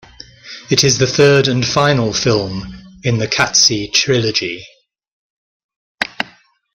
It is the third and final film in the Qatsi trilogy.